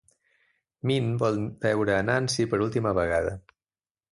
Min vol veure a Nancy per última vegada.